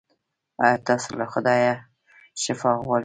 ایا تاسو له خدایه شفا غواړئ؟